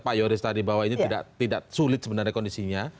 pak yoris tadi bahwa ini tidak sulit sebenarnya kondisinya